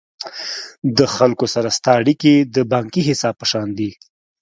د خلکو سره ستا اړیکي د بانکي حساب په شان دي.